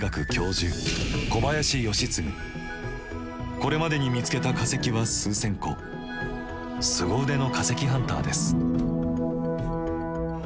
これまでに見つけた化石は数千個すご腕の化石ハンターです。